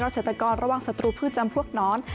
เศรษฐกรระวังศัตรูพืชจำพวกน้อน